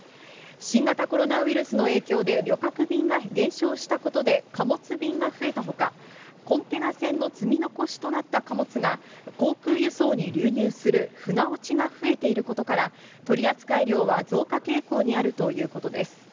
新型コロナウイルスの影響で旅客便が減少したことで貨物便が増えたほか、コンテナ船の積み残しとなった貨物が航空輸送に流入する、船落ちが増えていることから、取り扱い量は増加傾向にあるということです。